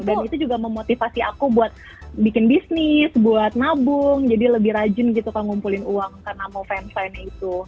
dan itu juga memotivasi aku buat bikin bisnis buat nabung jadi lebih rajin gitu kak ngumpulin uang karena mau fansign itu